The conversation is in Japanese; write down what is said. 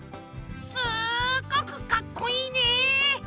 すっごくかっこいいね！